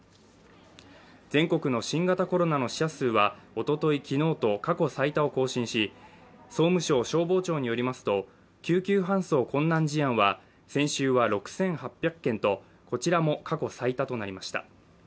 全国の新型コロナの死者数はおととい、昨日と過去最多を更新し、総務省消防庁によりますと、救急搬送困難事案は先週は６８００件とこちらも過去最多となりました。